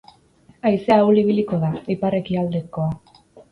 Haizea ahul ibiliko da, ipar-ekialdekoa.